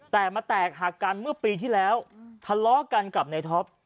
แต่มาแตกหักกันเมื่อปีที่แล้วทะเลาะกันกับในท็อป